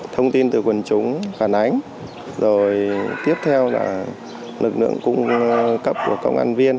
thông tin từ quần chúng phản ánh tiếp theo là lực lượng cung cấp của công an viên